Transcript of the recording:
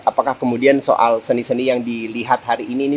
apakah kemudian soal seni seni yang dilihat hari ini